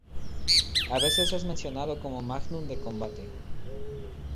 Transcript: A veces es mencionado como "Magnum de combate".